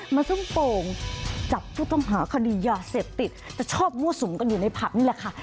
ซุ่มโป่งจับผู้ต้องหาคดียาเสพติดแต่ชอบมั่วสุมกันอยู่ในผับนี่แหละค่ะ